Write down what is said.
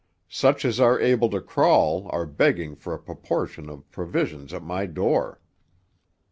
Such as are able to crawl are begging for a proportion of provisions at my door.'